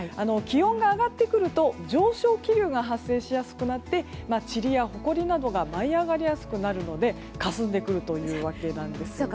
気温が上がってくると上昇気流が発生しやすくなってちりやほこりなどが舞い上がりやすくなるのでかすんでくるというわけです。